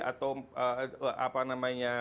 atau apa namanya